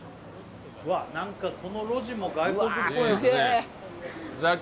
何かこの路地も外国っぽいな。